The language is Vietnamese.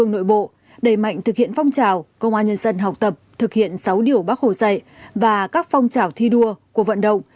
nội bộ đẩy mạnh thực hiện phong trào công an nhân dân học tập thực hiện sáu điều bác hồ dạy và các phong trào thi đua cuộc vận động